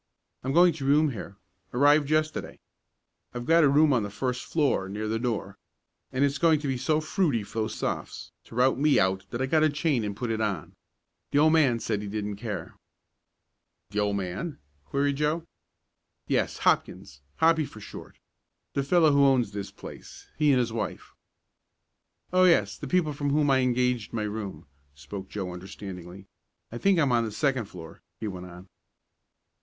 I'm going to room here. Arrived yesterday. I've got a room on the first floor, near the door, and it's going to be so fruity for those Sophs. to rout me out that I got a chain and put it on. The old man said he didn't care." "The old man?" queried Joe. "Yes, Hopkins, Hoppy for short the fellow that owns this place he and his wife." "Oh, yes, the people from whom I engaged my room," spoke Joe understandingly. "I think I'm on the second floor," he went on.